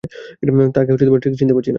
তাকে ঠিক চিনতে পারছি না।